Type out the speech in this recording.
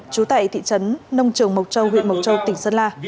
chú tệ thị trấn nông trường mộc châu huyện mộc châu tỉnh sơn la